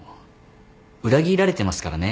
裏切られてますからね